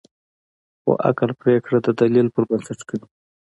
خو عقل پرېکړه د دلیل پر بنسټ کوي.